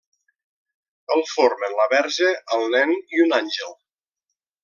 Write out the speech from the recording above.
El formen la Verge, el nen i un àngel.